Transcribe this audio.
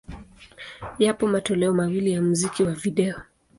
Yapo matoleo mawili ya muziki wa video.